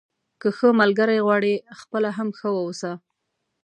که ښه ملګری غواړئ خپله هم ښه واوسه.